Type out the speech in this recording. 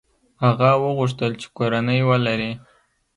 هغه وغوښتل چې کورنۍ ولري.